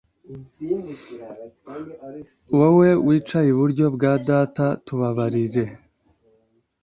wowe wicay'iburyo bwa data tubabarire